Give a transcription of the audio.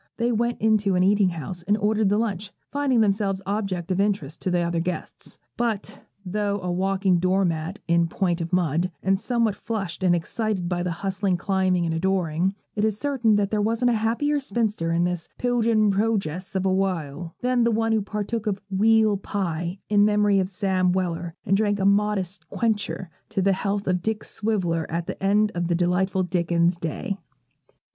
They went into an eating house, and ordered the lunch, finding themselves objects of interest to the other guests. But, though a walking doormat in point of mud, and somewhat flushed and excited by the hustling, climbing, and adoring, it is certain there wasn't a happier spinster in this 'Piljin Projess of a wale,' than the one who partook of 'weal pie' in memory of Sam Weller, and drank 'a modest quencher' to the health of Dick Swiveller at the end of that delightful Dickens day.